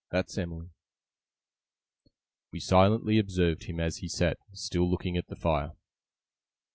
That's Em'ly!' We silently observed him as he sat, still looking at the fire.